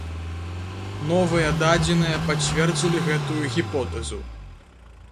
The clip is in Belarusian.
Новыя дадзеныя пацвердзілі гэтую гіпотэзу.